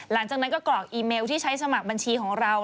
หลังจากนั้นก็กรอกอีเมลที่ใช้สมัครบัญชีของเรา